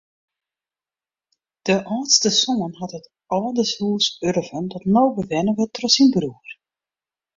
De âldste soan hat it âldershûs urven dat no bewenne wurdt troch syn broer.